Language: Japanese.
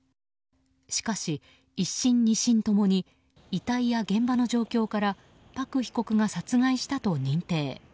しかし、１審２審共に遺体や現場の状況からパク被告が殺害したと認定。